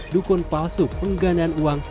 dukun palsu penggandaan uang